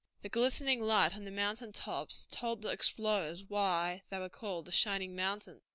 The glistening light on the mountain tops told the explorers why they were called the Shining Mountains.